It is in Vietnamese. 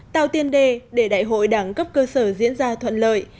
tạo tiên đề để đại hội đảng cấp cơ sở diễn ra thuận lợi